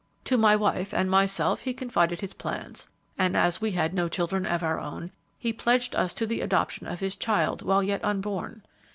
To my wife and myself he confided his plans, and, as we had no children of our own, he pledged us to the adoption of his child while yet unborn.